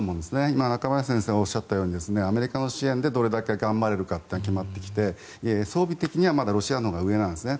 今、中林先生がおっしゃったようにアメリカの支援でどれだけ頑張れるかっていうのが決まってきて装備的にはまだロシアのほうが上なんですね。